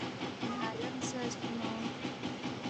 تا اخوند عالم سہ سُو مہ اونگس